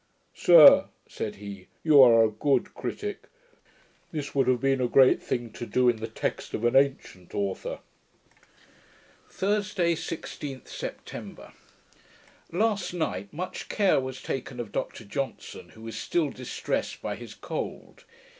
'Sir,' said he, 'you are a good critick. This would have been a great thing to do in the text of an ancient authour.' Thursday, 16th September Last night much care was taken of Dr Johnson, who was still distressed by his cold.